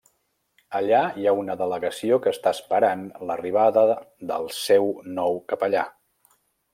Allà hi ha una delegació que està esperant l'arribada del seu nou capellà.